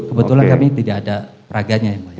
kebetulan kami tidak ada peraganya yang mulia